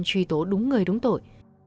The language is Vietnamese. chuy tố đúng người đúng tội